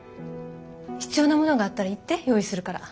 必要なものがあったら言って用意するから。